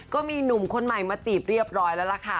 ก็มีหนุ่มคนใหม่มาจีบเรียบร้อยแล้วล่ะค่ะ